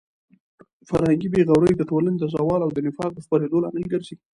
فرهنګي بې غوري د ټولنې د زوال او د نفاق د خپرېدو لامل ګرځي.